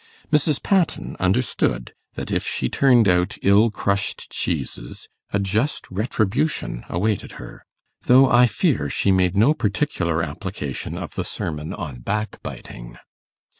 Mrs. Patten understood that if she turned out ill crushed cheeses, a just retribution awaited her; though, I fear, she made no particular application of the sermon on backbiting.